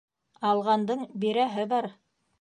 Алғандың бирәһе бар.